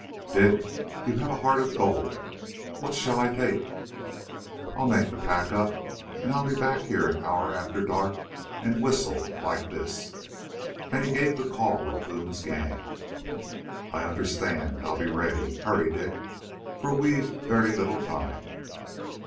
"Dick, you've a heart of gold! What shall I take?" "I'll make the pack up, and I'll be back here an hour after dark and whistle. Like this " And he gave the call of Boone's gang. "I understand. I'll be ready. Hurry, Dick, for we've very little time."